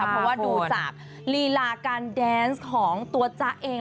เพราะว่าดูจากลีลาการแดนส์ของตัวจ๊ะเอง